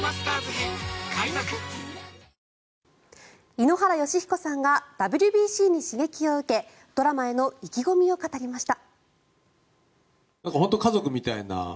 井ノ原快彦さんがＷＢＣに刺激を受けドラマへの意気込みを語りました。